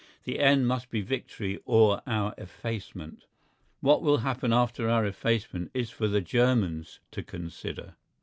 The end must be victory or our effacement. What will happen after our effacement is for the Germans to consider.